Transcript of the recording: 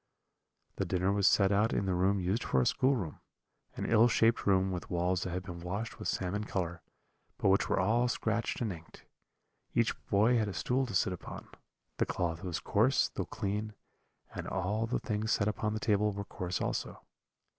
"The dinner was set out in the room used for a schoolroom; an ill shaped room, with walls that had been washed with salmon colour, but which were all scratched and inked. Each boy had a stool to sit upon; the cloth was coarse, though clean, and all the things set upon the table were coarse also.